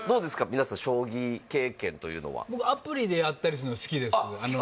皆さん将棋経験というのは僕アプリでやったりするの好きですあっ